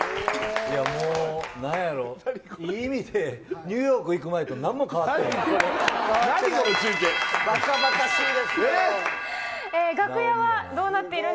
もう、なんやろ、いい意味で、ニューヨーク行く前となんも変わってへん。